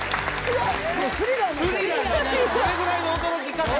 それぐらいの驚き価格。